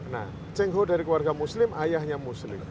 nah cheng ho dari keluarga muslim ayahnya muslim